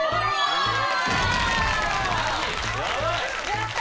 やった！